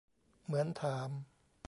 เหมือนถาม